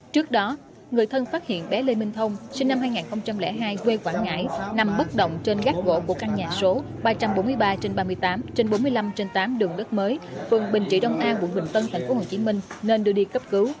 trước đó người thân phát hiện bé lê minh thông sinh năm hai nghìn hai quê quảng ngãi nằm bất động trên gác gỗ của căn nhà số ba trăm bốn mươi ba trên ba mươi tám trên bốn mươi năm trên tám đường đất mới phường bình trị đông a quận bình tân tp hcm nên đưa đi cấp cứu